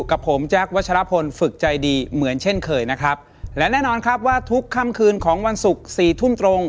กับผมแจ๊ควัชลพลฝึกใจดีเหมือนเช่นเคยนะครับและแน่นอนครับว่าทุกค่ำคืนของวันศุกร์สี่ทุ่มตรง